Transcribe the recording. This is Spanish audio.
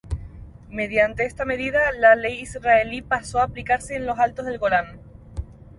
Mediante esta medida, la ley israelí pasó a aplicarse en los Altos del Golán.